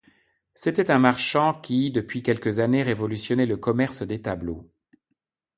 C'était un marchand, qui, depuis quelques années, révolutionnait le commerce des tableaux.